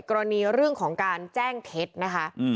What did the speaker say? กรณีเรื่องของการแจ้งเท็จนะคะ